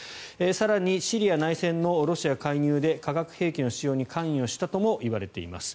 更にシリア内戦のロシア介入で化学兵器の使用に関与したともいわれています。